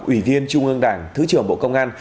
ủy viên trung ương đảng thứ trưởng bộ công an